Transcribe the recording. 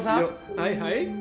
はいはい？